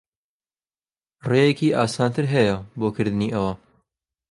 ڕێیەکی ئاسانتر ھەیە بۆ کردنی ئەوە.